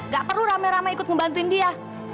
gak perlu rame rame ikut membantu dia